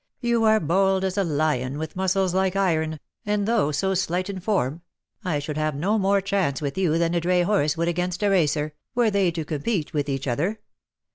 You are bold as a lion, with muscles like iron, and, though so slight in form, I should have no more chance with you than a dray horse would against a racer, were they to compete with each other.